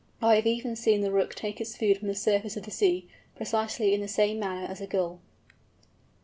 I have even seen the Rook take its food from the surface of the sea, precisely in the same manner as a Gull.